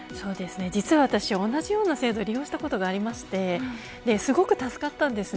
実は私、同じような制度を利用したことがあってすごく助かったんです。